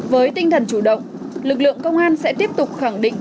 với tinh thần chủ động lực lượng công an sẽ tiếp tục khẳng định